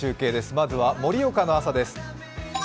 まずは盛岡の朝です。